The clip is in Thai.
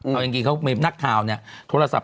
ไปนับข่าวเนี่ย